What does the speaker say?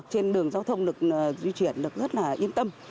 trên đường giao thông được di chuyển được rất là yên tâm